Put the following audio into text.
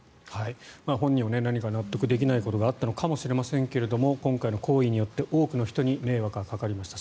本人は何か納得できないことがあったのかもしれませんが今回の行為によって多くの人に迷惑がかかりました。